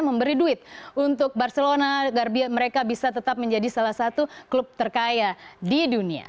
memberi duit untuk barcelona agar mereka bisa tetap menjadi salah satu klub terkaya di dunia